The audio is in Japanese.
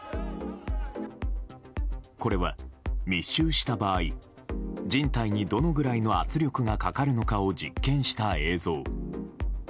これは密集した場合、人体にどのぐらいの圧力がかかるのかを実験した映像。